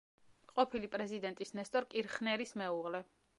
ყოფილი პრეზიდენტის ნესტორ კირხნერის მეუღლე.